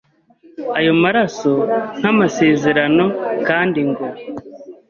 ayo maraso nk’amasezerano kandi ngo